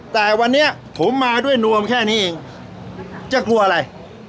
แต่วันนี้ผมมาด้วยนวมแค่นี้เองจะกลัวอะไร